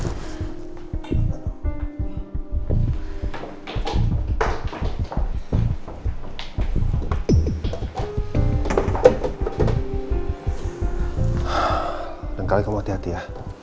kadang kadang kamu hati hati ya